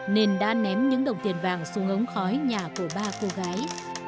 nên đã ném những đồng tiền vàng xuống ống khói nhà của ba cô gái